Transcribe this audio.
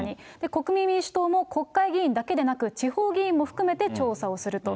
国民民主党も、国会議員だけでなく、地方議員も含めて調査をすると。